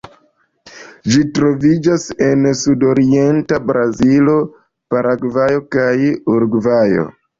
Ĝi troviĝas en sudorienta Brazilo, Paragvajo kaj Urugvajo.